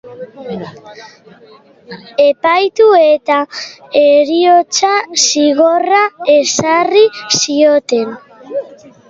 Epaitu eta heriotza zigorra ezarri zioten.